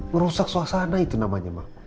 ngerusak suasana itu namanya ma